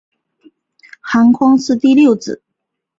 韩匡嗣第六子。